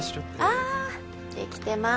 あできてます。